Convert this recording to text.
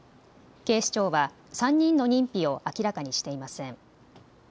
警視庁は３人の認否を明らかにしていません。